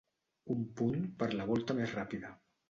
Un punt per la volta més ràpida.